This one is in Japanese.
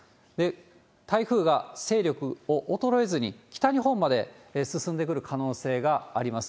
台風が勢力を衰えずに北日本まで進んでくる可能性があります。